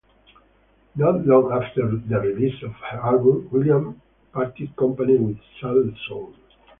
Not long after the release of her album, Williams parted company with Salsoul.